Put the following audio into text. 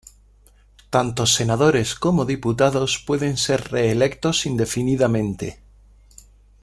Tanto senadores como diputados pueden ser reelectos indefinidamente.